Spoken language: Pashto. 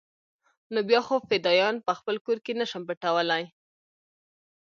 نو بيا خو فدايان په خپل کور کښې نه شم پټولاى.